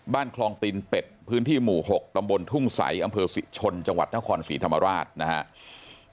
คลองตินเป็ดพื้นที่หมู่๖ตำบลทุ่งใสอำเภอศรีชนจังหวัดนครศรีธรรมราชนะครับ